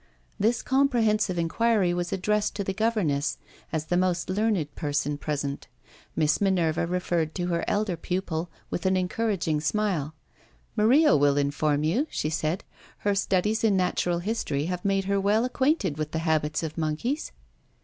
This comprehensive inquiry was addressed to the governess, as the most learned person present. Miss Minerva referred to her elder pupil with an encouraging smile. "Maria will inform you," she said. "Her studies in natural history have made her well acquainted with the habits of monkeys."